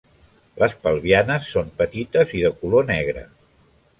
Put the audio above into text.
Les pelvianes són petites i de color negre.